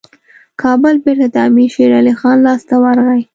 کابل بیرته د امیر شېرعلي خان لاسته ورغی.